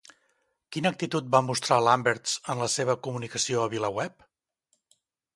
Quina actitud va mostrar Lamberts en la seva comunicació a Vilaweb?